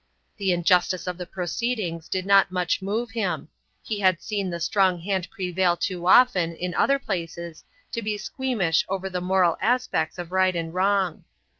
The injustice of the proceedings did not much move him; he had seen the strong hand prevail too often in other places to be squeamish over the moral aspects of right and wrong.